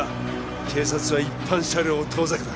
警察は一般車両を遠ざけた